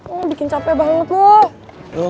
oh bikin capek banget lo